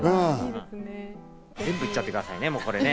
全部行っちゃってくださいね。